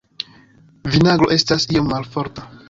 Vinagro estas iom malforta.